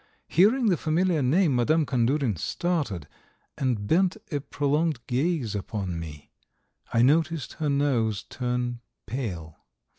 Hearing the familiar name Madame Kandurin started, and bent a prolonged gaze upon me. I noticed her nose turn pale.